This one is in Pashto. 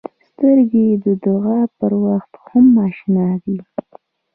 سترګې د دعا پر وخت هم اشنا دي